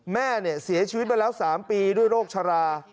แม่เสียชีวิตมาแล้ว๓ปีด้วยโรคชรา